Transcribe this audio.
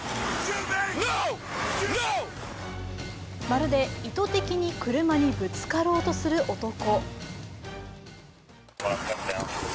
まるで意図的に車にぶつかろうとする男。